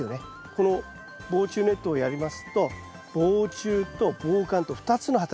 この防虫ネットをやりますと防虫と防寒と２つの働きがあります。